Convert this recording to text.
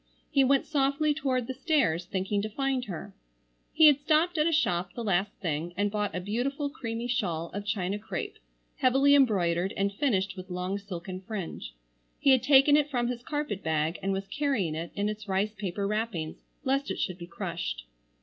He went softly toward the stairs thinking to find her. He had stopped at a shop the last thing and bought a beautiful creamy shawl of China crêpe heavily embroidered, and finished with long silken fringe. He had taken it from his carpet bag and was carrying it in its rice paper wrappings lest it should be crushed.